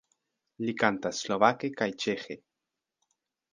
Li kantas slovake kaj ĉeĥe.